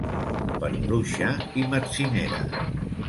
"Per bruixa i metzinera"